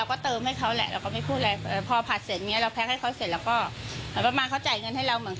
โอ้แล้วก็หล่อ